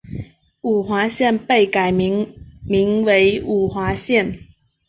五华县被改名名为五华县。